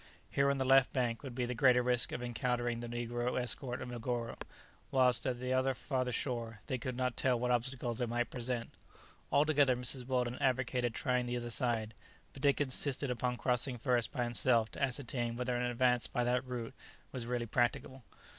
Here, on the left bank, would be the greater risk of encountering the negro escort of Negoro, while as to the farther shore they could not tell what obstacles it might present. Altogether Mrs. Weldon advocated trying the other side, but Dick insisted upon crossing first by himself to ascertain whether an advance by that route were really practicable.